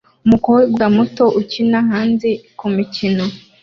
Umukobwa muto ukina hanze kumikino